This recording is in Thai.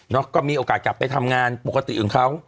ก็มีโอกาสกลับไปทำงานปกติของเขา